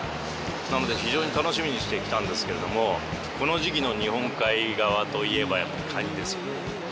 なので非常に楽しみにして来たんですけれどもこの時期の日本海側といえばやっぱカニですよね。